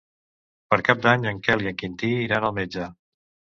Per Cap d'Any en Quel i en Quintí iran al metge.